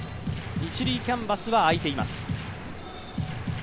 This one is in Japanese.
一塁キャンバスはあいています。